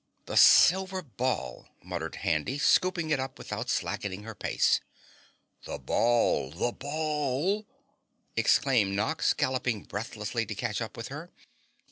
"That silver ball," muttered Handy, scooping it up without slackening her pace. "The ball! The BALL?" exclaimed Nox, galloping breathlessly to catch up with her.